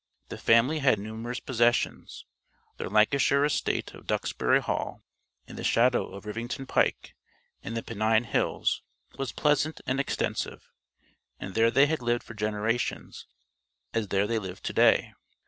The family had numerous possessions; their Lancashire estate of Duxbury Hall, in the shadow of Rivington Pike and the Pennine Hills, was pleasant and extensive, and there they had lived for generations, as there they live to day.